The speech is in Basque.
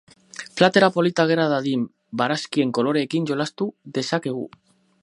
Platera polita gera dadin barazkien koloreekin jolastu dezakegu.